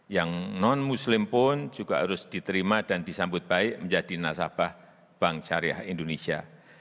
yang non muslim pun juga harus diterima dan disambut baik menjadi nasabah bank syariah indonesia